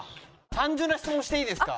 単純な質問していいですか？